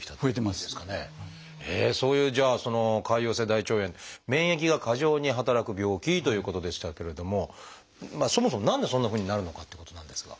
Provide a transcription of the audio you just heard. そういうじゃあ潰瘍性大腸炎免疫が過剰に働く病気ということでしたけれどもそもそも何でそんなふうになるのかってことなんですが。